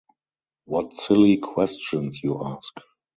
What silly questions you ask!